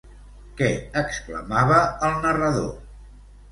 Què exclamava el narrador?